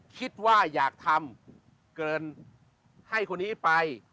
คิดว่าอยากทำเกินให้คนนี้ไป